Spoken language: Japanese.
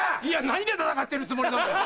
何で戦ってるつもりなのよ。